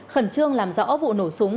khẩn trương làm rõ vụ nổ súng